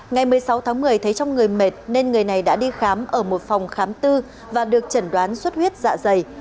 ngày một mươi sáu tháng một mươi thấy trong người mệt nên người này đã đi khám ở một phòng khám tư và được chẩn đoán suất huyết dạ dày